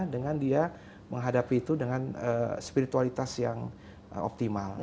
dengan dia menghadapi itu dengan spiritualitas yang optimal